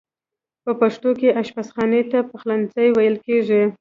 په پښتو کې آشپز خانې ته پخلنځی ویل کیږی.